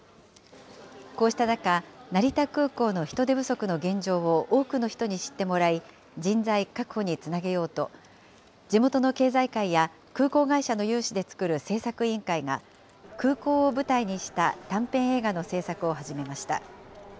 こうした中、成田空港の人手不足の現状を多くの人に知ってもらい、人材確保につなげようと、地元の経済界や空港会社の有志で作る製作委員会が空港を舞台にした短編映画の制作を始めました。